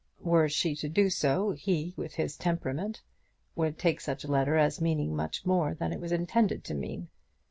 Were she to do so, he, with his temperament, would take such letter as meaning much more than it was intended to mean.